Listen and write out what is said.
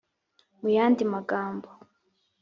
mu yandi magambo